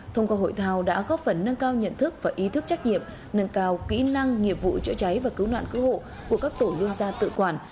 thông qua hội thao đã góp phần nâng cao nhận thức và ý thức trách nhiệm nâng cao kỹ năng nghiệp vụ chữa cháy và cứu nạn cứu hộ của các tổ liên gia tự quản